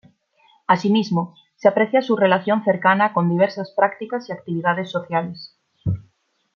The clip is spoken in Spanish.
Asimismo, se aprecia su relación cercana con diversas prácticas y actividades sociales.